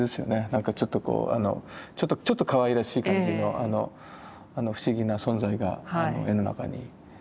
なんかちょっとこうちょっとかわいらしい感じの不思議な存在が絵の中に。